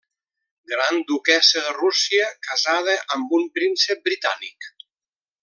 Gran duquessa de Rússia casada amb un príncep britànic.